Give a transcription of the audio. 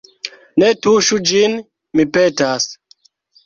Ne tuŝu ĝin, mi petas.